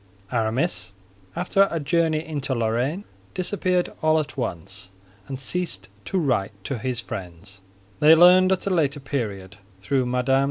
Aramis, after a journey into Lorraine, disappeared all at once, and ceased to write to his friends; they learned at a later period through Mme.